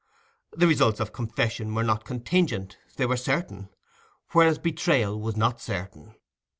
The results of confession were not contingent, they were certain; whereas betrayal was not certain.